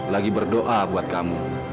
lagi berdoa buat kamu